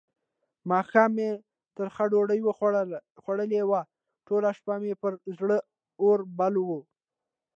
ماښام مې ترخه ډوډۍ خوړلې وه؛ ټوله شپه مې پر زړه اور بل وو.